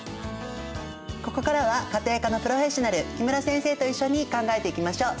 ここからは家庭科のプロフェッショナル木村先生と一緒に考えていきましょう。